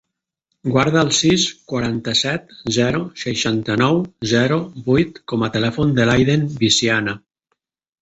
Guarda el sis, quaranta-set, zero, seixanta-nou, zero, vuit com a telèfon de l'Aiden Viciana.